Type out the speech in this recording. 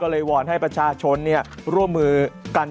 วอนให้ประชาชนร่วมมือกัน